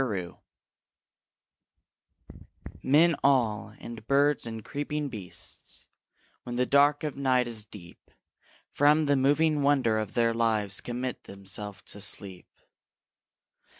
SLEEP Men all, and birds, and creeping beasts, When the dark of night is deep, From the moving wonder of their lives Commit themselves to sleep.